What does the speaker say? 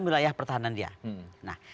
wilayah pertahanan dia nah